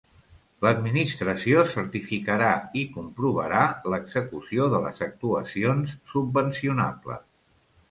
L'Administració certificarà i comprovarà l'execució de les actuacions subvencionables.